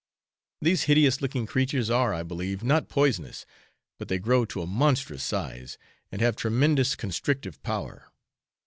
These hideous looking creatures are, I believe, not poisonous, but they grow to a monstrous size, and have tremendous constrictive power.